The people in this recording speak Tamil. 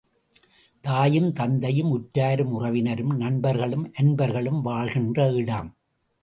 தாயும் தந்தையும், உற்றாரும் உறவினரும், நண்பர்களும் அன்பர்களும் வாழ்கின்ற இடம்.